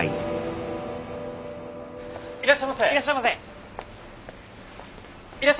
いらっしゃいませ！